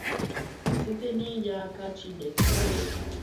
site n'inye aka Chineke.